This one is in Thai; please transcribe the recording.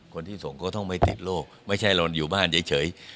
คนที่ส่งก็ต้องไม่ติดโรคไม่ใช่รอนอยู่บ้านเฉย